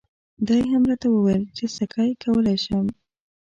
دا یې هم راته وویل چې سکی کولای شم.